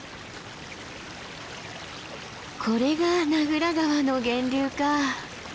これが名蔵川の源流か。